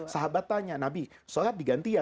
sahabat tanya nabi sholat diganti ya